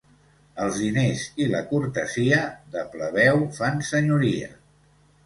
Els diners i la cortesia, de plebeu fan senyoria.